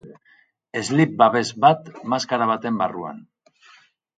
Slip-babes bat maskara baten barruan.